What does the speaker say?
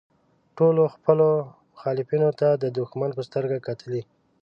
ټولو خپلو مخالفینو ته د دوښمن په سترګه کتلي.